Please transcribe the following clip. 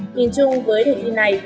nhìn chung với đề thi này